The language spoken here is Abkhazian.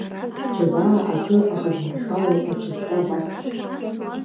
Сџьабаа акы ахазмыршәало аҽазкра абасҭаху!